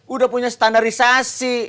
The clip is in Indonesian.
udah punya standarisasi